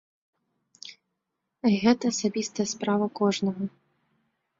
І гэта асабістая справа кожнага.